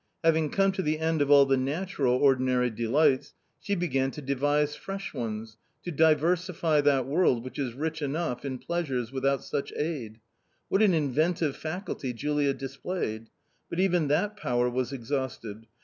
Having come to the end of all the natural ordinary delights, she began to devise fresh ones, to diversify that world which is rich enough in pleasures without such aid. What an inventive faculty Julia displayed ! But even that power was exhausted.